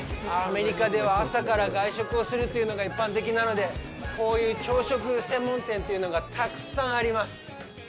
アメリカでは朝から外食をするというのが一般的なので、こういう朝食専門店というのがたくさんあります。